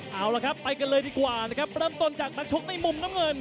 เอาละครับไปกันเลยดีกว่านะครับเริ่มต้นจากนักชกในมุมน้ำเงิน